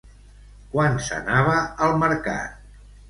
Quan s'anava al mercat?